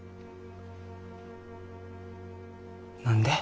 何で？